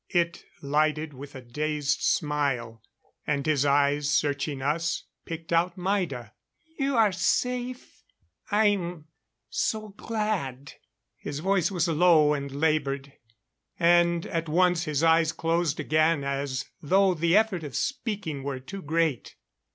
It lighted with a dazed smile; and his eyes, searching us, picked out Maida. "You are safe I'm so glad." His voice was low and labored; and at once his eyes closed again as though the effort of speaking were too great.